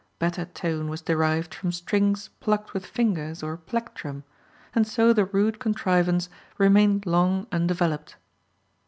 Better tone was derived from strings plucked with fingers or plectrum, and so the rude contrivance remained long undeveloped.